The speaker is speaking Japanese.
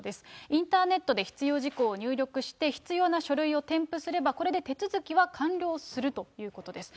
インターネットで必要事項を入力して、必要な書類を添付すれば、これで手続きは完了するということです。